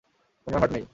উনার হার্ট নেই।